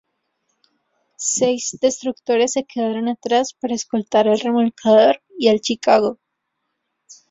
Seis destructores se quedaron atrás para escoltar al remolcador y al "Chicago".